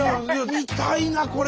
見たいなこれ。